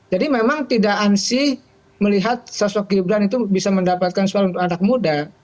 jadi memang tidak ansih melihat sosok gibran itu bisa mendapatkan suara untuk anak muda